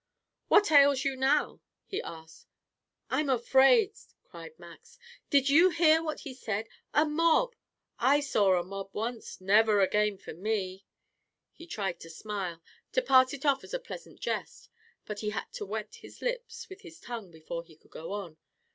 "What ails you now?" he asked. "I'm afraid," cried Max. "Did you hear what he said? A mob. I saw a mob once. Never again for me." He tried to smile, to pass it off as a pleasant jest, but he had to wet his lips with his tongue before he could go on.